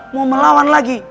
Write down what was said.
mau melawan lagi